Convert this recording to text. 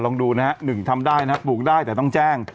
ลองดูนะครับ๑ทำได้ปลูกได้แต่ต้องแจ้ง